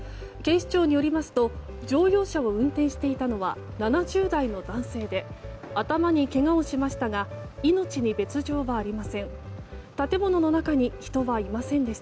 警視庁によりますと乗用車を運転していたのは７０代の男性で頭にけがをしましたが命に別条はありません。